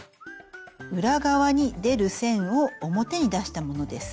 裏側に出る線を表に出したものです。